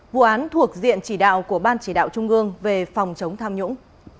vụ án thuộc diện chỉ đạo của ban chỉ đạo trung ương về phòng chống tham nhũng